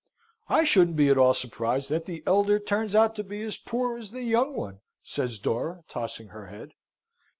"I shouldn't be at all surprised that the elder turns out to be as poor as the young one," says Dora, tossing her head.